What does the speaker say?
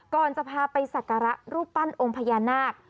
ก่อนจะพาไปสักการะรูปปั้นองค์พญานาค